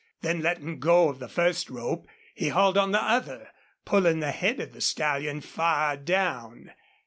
Then letting go of the first rope he hauled on the other, pulling the head of the stallion far down.